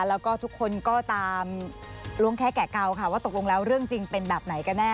แล้วก็ทุกคนก็ตามล้วงแค่แก่เก่าค่ะว่าตกลงแล้วเรื่องจริงเป็นแบบไหนกันแน่